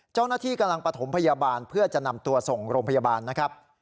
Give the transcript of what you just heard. เจ้าหน้าที่กำลังประถมพยาบาลเพื่อจะนำตัวส่งโรงพยาบาลนะครับ